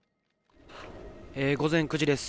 午前９時です。